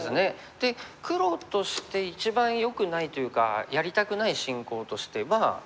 で黒として一番よくないというかやりたくない進行としては。